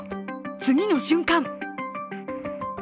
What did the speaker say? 次の瞬間！